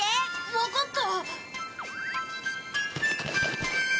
わかった。